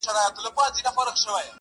چي نه لري هلک، هغه کور د اور لايق.